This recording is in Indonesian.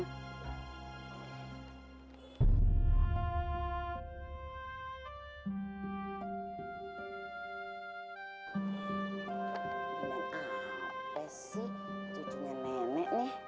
dan apa sih cucunya nenek nih